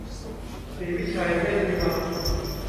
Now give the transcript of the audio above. ศรีวิชัยเวชวิวัฒน์